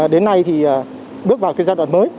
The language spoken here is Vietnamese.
đến nay thì bước vào giai đoạn mới